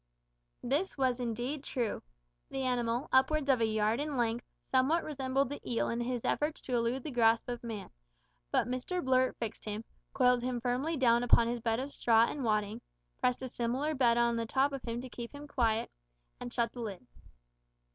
This was indeed true. The animal, upwards of a yard in length, somewhat resembled the eel in his efforts to elude the grasp of man, but Mr Blurt fixed him, coiled him firmly down on his bed of straw and wadding, pressed a similar bed on the top of him to keep him quiet, and shut the lid.